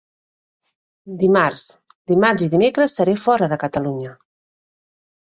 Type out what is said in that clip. Dimarts, dimarts i dimecres seré fora de Catalunya.